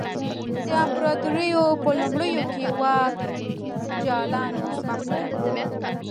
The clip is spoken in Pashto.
د امپراتورۍ په لومړیو کې واک جالانو محدود و